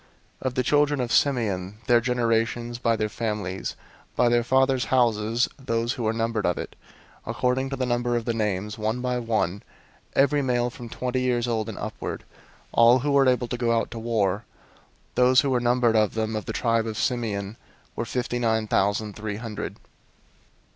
001:022 Of the children of Simeon, their generations, by their families, by their fathers' houses, those who were numbered of it, according to the number of the names, one by one, every male from twenty years old and upward, all who were able to go out to war; 001:023 those who were numbered of them, of the tribe of Simeon, were fifty nine thousand three hundred.